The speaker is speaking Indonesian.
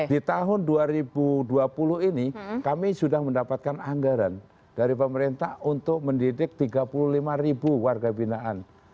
di tahun dua ribu dua puluh ini kami sudah mendapatkan anggaran dari pemerintah untuk mendidik tiga puluh lima ribu warga binaan